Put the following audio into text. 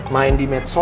main di madsos ya kan